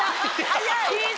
早い！